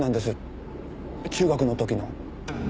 中学の時の。